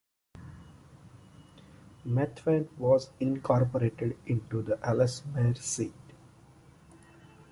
Methven was incorporated into the Ellesmere seat.